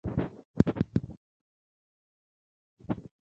پاکستانیان په نړۍ کې تر ټولو ډیر دروغجن، سپک او دوکه ورکونکي خلک دي.